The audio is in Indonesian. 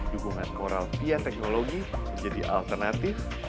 dukungan moral via teknologi menjadi alternatif